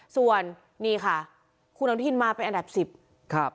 ส่วนนี่ค่ะคุณทิมมาเป็นอันดับ๑๐